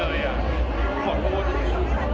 อีโซเอาไปให้หมด